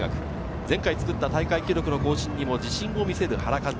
前回作った大会記録の更新にも自信を見せている原監督。